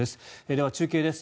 では中継です。